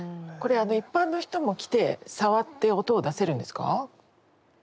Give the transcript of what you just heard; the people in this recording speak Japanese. これ一般の人も来て触って音を出せるんですか？